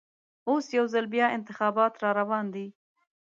اوس یوځل بیا انتخابات راروان دي.